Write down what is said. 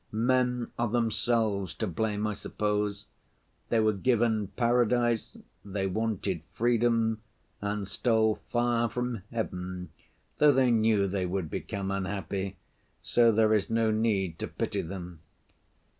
Men are themselves to blame, I suppose; they were given paradise, they wanted freedom, and stole fire from heaven, though they knew they would become unhappy, so there is no need to pity them.